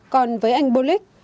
còn với anh bullock